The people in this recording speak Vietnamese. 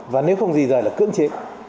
một trăm linh và nếu không gì rồi là cưỡng trị